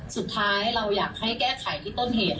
สุดท้ายเราอยากให้แก้ไขที่ต้นเหตุ